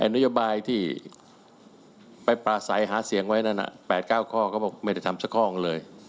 นโยบายที่ไปปราศัยหาเสียงไว้นั่น๘๙ข้อก็บอกไม่ได้ทำสักข้อเลย